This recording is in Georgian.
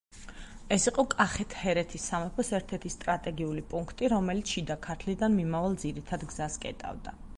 ეს იყო კახეთ-ჰერეთის სამეფოს ერთ-ერთი სტრატეგიული პუნქტი, რომელიც შიდა ქართლიდან მიმავალ ძირითად გზას კეტავდა.